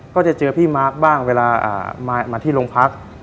ก็จะเจอพี่มาร์คบ้างเวลามาที่โรงพัก